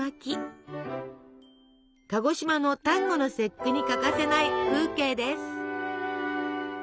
鹿児島の端午の節句に欠かせない風景です。